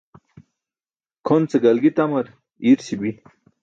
Kʰon ce galgi tamar iirćibi̇.